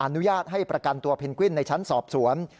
อนุญาตให้ประกันตัวเพนกวินในชั้นสอบสวน